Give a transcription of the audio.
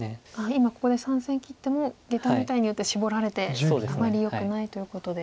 今ここで３線切ってもゲタみたいに打ってシボられてあまりよくないということで。